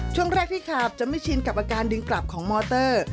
ช่วงแรกที่ขาบจะไม่ชินกับอาการดึงกลับของมอเตอร์